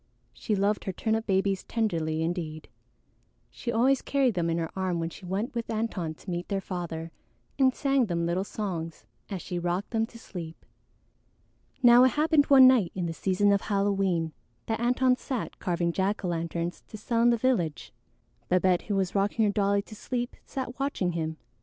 She loved her turnip babies tenderly indeed; she always carried them in her arm when she went with Antone to meet their father and sang them little songs as she rocked them to sleep. Now it happened one night in the season of Halloween that Antone sat carving jack o' lanterns to sell in the village. Babette, who was rocking her dolly to sleep, sat watching him.